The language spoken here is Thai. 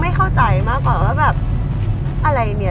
เข้าใจมากกว่าว่าแบบอะไรเนี่ย